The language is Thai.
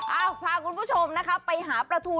เอาผ่าคุณผู้ชมไปหาประถู